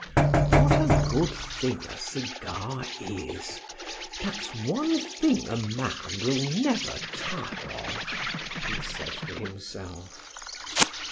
"What a good thing a cigar is! That's one thing a man will never tire of," he said to himself.